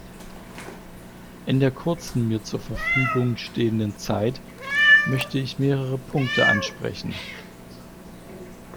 In der kurzen mir zur Verfügung stehenden Zeit möchte ich mehrere Punkte ansprechen.